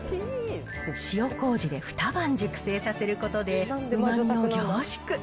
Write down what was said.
塩こうじで２晩熟成させることでうまみを凝縮。